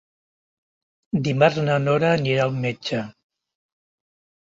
Dimarts na Nora anirà al metge.